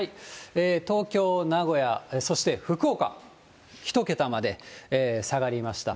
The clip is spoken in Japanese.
東京、名古屋、そして福岡、１桁まで下がりました。